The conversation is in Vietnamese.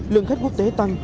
lượng khách quốc tế tăng